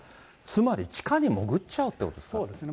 つまり地下に潜っちゃうということですか。